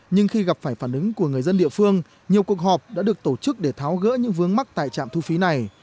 nhưng khi gặp phải phản ứng của người dân địa phương nhiều cuộc họp đã được tổ chức để tháo gỡ những vướng mắc tại trạm thu phí này